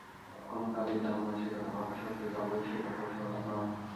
কোনো কালেই যাব না সে কথা ভাবা শক্ত, যাবই সে কথাও সহজ নয়।